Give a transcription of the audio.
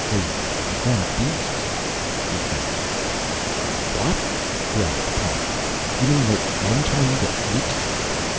"They become beasts," he finished. "What?" growled Parr. "You mean that men turn into apes?"